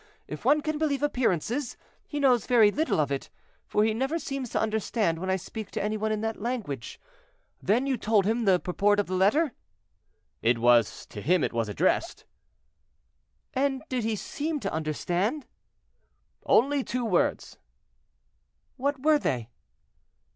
If one can believe appearances, he knows very little of it, for he never seems to understand when I speak to any one in that language. Then you told him the purport of the letter?" "It was to him it was addressed." "And did he seem to understand?" "Only two words." "What were they?"